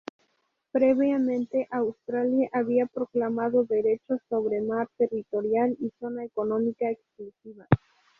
Previamente Australia había proclamado derechos sobre mar territorial y zona económica exclusiva.